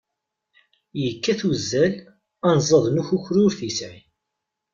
Yekkat uzzal, anẓad n ukukru ur t-yesɛi.